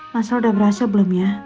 masalah udah berhasil belum ya